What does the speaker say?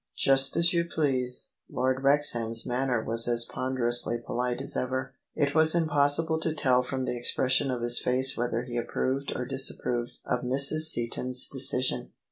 "" Just as you please." Lord Wrexham's manner was as ponderously polite as ever; it was impossible to tell from the expression of his face whether he approved or disap proved of Mrs. Seaton's decision.